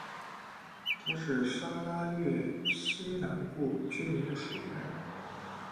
它是沙拉越西南部居民的水源。